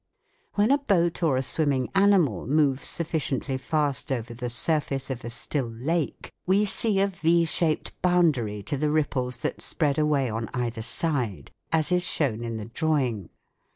When a boat or a swimming animal moves sufficiently fast over the surface of a still lake, we see a V shaped boundary to the ripples that spread away on either side, as is shown in the drawing.